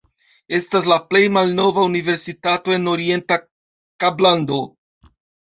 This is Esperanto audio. Estas la plej malnova universitato en Orienta Kablando.